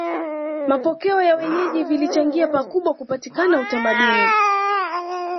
Mapokeo ya wenyeji vilichangia pakubwa kupatikana utamaduni